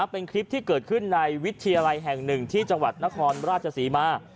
เป็นคลิปที่เกิดขึ้นในวิทยาลัยแห่งหนึ่งที่จังหวัดนครราชศรีมา